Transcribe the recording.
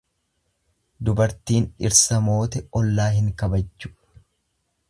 Dubartiin dhirsa moote ollaa hin kabajju.